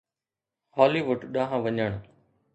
هالي wood ڏانهن وڃڻ